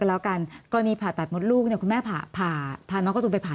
แล้วกันกรณีผ่าตัดมดลูกเนี่ยคุณแม่ผ่าพาน้องการ์ตูนไปผ่า